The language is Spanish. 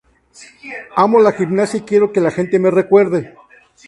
Amo la gimnasia y quiero que la gente me recuerde".